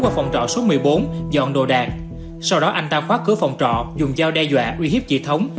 qua phòng trọ số một mươi bốn dọn đồ đạc sau đó anh ta khóa cửa phòng trọ dùng dao đe dọa uy hiếp chị thống